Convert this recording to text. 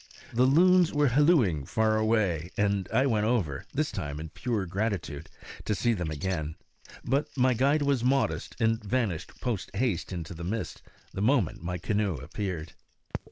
The loons were hallooing far away, and I went over this time in pure gratitude to see them again. But my guide was modest and vanished post haste into the mist the moment my canoe appeared.